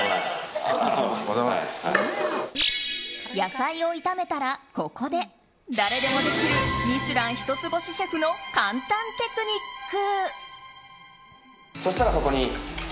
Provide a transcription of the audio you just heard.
野菜を炒めたらここで、誰でもできる「ミシュラン」一つ星シェフの簡単テクニック。